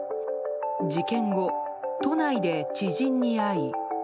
事件後、都内で知人に会い。